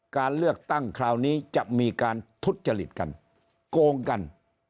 การเลือกตั้งคราวนี้จะมีการทุจจริตกันโกงกัน